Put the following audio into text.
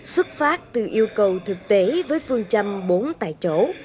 xuất phát từ yêu cầu thực tế với phương châm bốn tại chỗ